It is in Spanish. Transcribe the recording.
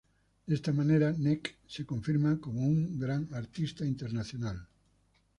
De esta manera Nek se confirma como un gran artista internacional.